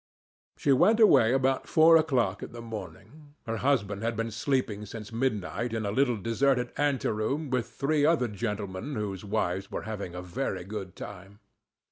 She went away about four o'clock in the morning. Her husband had been sleeping since midnight, in a little deserted anteroom, with three other gentlemen whose wives were having a very good time.